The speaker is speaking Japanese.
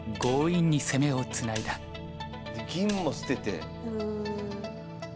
銀も捨てて。